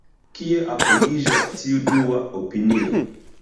Kie apogiĝas tiu dua opinio?